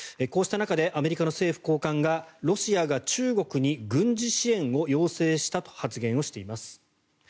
こうした中でアメリカの政府高官がロシアが中国に軍事支援を要請したと発言をしています。